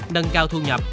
nâng cao thu nhập